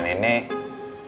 bayi baju kebaya lusut